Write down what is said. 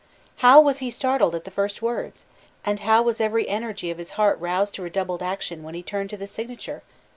How was he startled at the first words! and how was every energy of his heart roused to redoubled action when he turned to the signature!